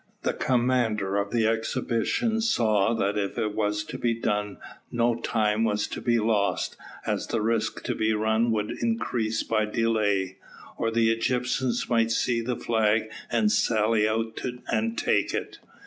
The commander of the expedition saw that if it was to be done, no time was to be lost, as the risk to be run would increase by delay, or the Egyptians might see the flag, and sally out and take it.